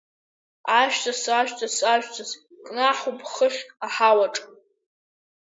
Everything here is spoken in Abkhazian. Ажәҵыс, ажәҵыс, ажәҵыс, кнаҳауп хыхь аҳауаҿ.